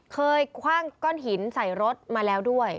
คว่างก้อนหินใส่รถมาแล้วด้วย